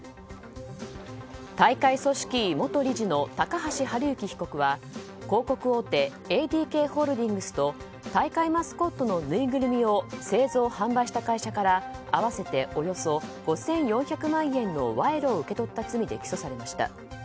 大会組織委元理事の高橋治之被告は広告大手ＡＤＫホールディングスと大会マスコットのぬいぐるみを製造・販売した会社から合わせておよそ５４００万円の賄賂を受け取った罪で起訴されました。